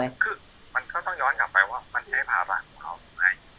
คือมันก็ต้องย้อนกลับไปว่ามันใช้ภาระของเขาหรือไม่